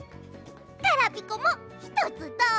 ガラピコもひとつどう？